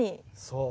そう。